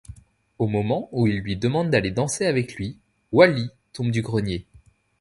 Au moment où il lui demande d'aller danser avec lui, Wally tombe du grenier.